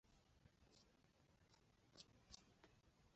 城西镇是中国海南省海口市龙华区下辖的一个镇。